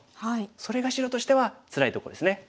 それが白としてはつらいとこですね。